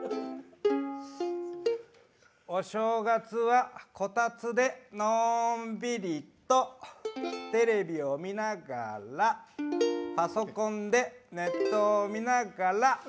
正月は、こたつでのんびりとテレビを見ながらパソコンでネットを見ながら。